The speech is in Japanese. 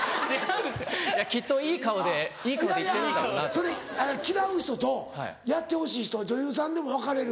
それ嫌う人とやってほしい人女優さんでも分かれる。